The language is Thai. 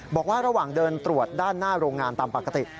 บอกว่าระหว่างเดินตรวจด้านหน้าโรงงานตามปกติ